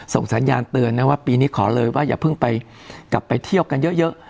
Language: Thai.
สัญญาณเตือนนะว่าปีนี้ขอเลยว่าอย่าเพิ่งไปกลับไปเที่ยวกันเยอะ